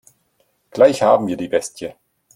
Gleich haben wir die Bestie.